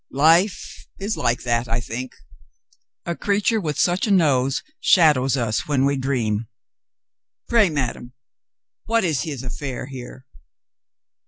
"Life is like that, I think. A crea ture with such a nose shadows us when we dream. Pray, madame, what is his affair here?"